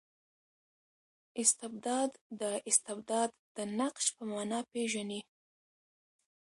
استبداد د استبداد د نقش په مانا پېژني.